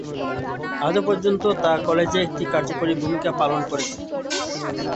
আজও পর্যন্ত তা কলেজে একটি কার্যকরী ভূমিকা পালন করেছে।